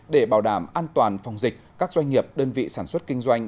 để bảo đảm an toàn phòng dịch các doanh nghiệp đơn vị sản xuất kinh doanh